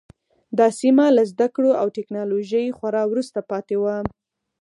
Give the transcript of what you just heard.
دا سیمه له زده کړو او ټکنالوژۍ خورا وروسته پاتې وه.